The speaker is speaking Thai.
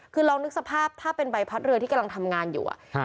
คือลองนึกสภาพถ้าเป็นใบพัดเรือที่กำลังทำงานอยู่